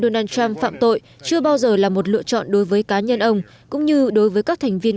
donald trump phạm tội chưa bao giờ là một lựa chọn đối với cá nhân ông cũng như đối với các thành viên